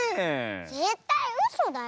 ぜったいうそだよ。